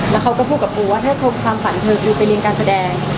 แล้วเขาก็พูดกับปูว่าถ้าความฝันเธอปูไปเรียนการแสดง